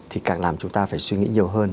thì càng làm chúng ta phải suy nghĩ nhiều hơn